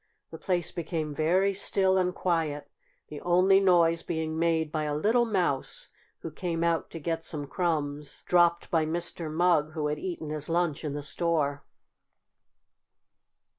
The place became very still and quiet, the only noise being made by a little mouse, who came out to get some crumbs dropped by Mr. Mugg, who had eaten his lunch in the store.